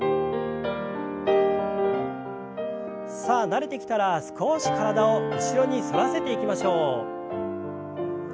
さあ慣れてきたら少し体を後ろに反らせていきましょう。